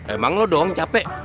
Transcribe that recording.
emang lu doang capek